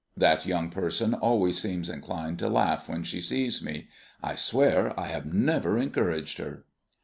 That young person always seems inclined to laugh when she sees me. I swear I have never encouraged her.